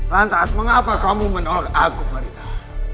lantas mengapa kamu menolak aku faridha